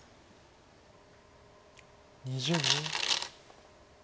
２０秒。